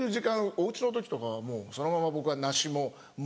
お家の時とかはもうそのまま僕は梨も桃も。